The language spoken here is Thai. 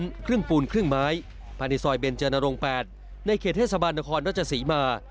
ขึ้นครึ่งปูนครึ่งไม้พันธุ์ที่ซอยเบนเจอร์นโรง๘ในเขตเทศบาลนครราชศรีมา